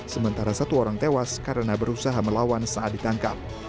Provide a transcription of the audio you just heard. sementara satu orang tewas karena berusaha melawan saat ditangkap